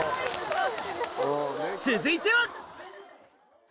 続いては！